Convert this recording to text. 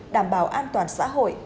đảm bảo an toàn xã hội